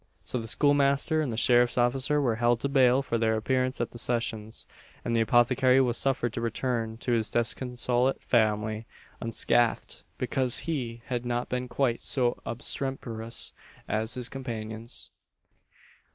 So the schoolmaster and the sheriff's officer were held to bail for their appearance at the sessions; and the apothecary was suffered to return to his disconsolate family unscathed, because he had not been quite so obstreperous as his companions.